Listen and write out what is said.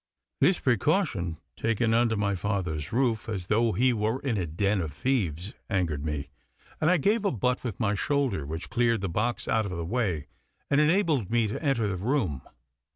This precaution, taken under my father's roof, as though he were in a den of thieves, angered me, and I gave a butt with my shoulder which cleared the box out of the way, and enabled me to enter the room.